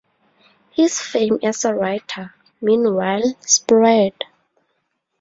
His fame as a writer, meanwhile, spread.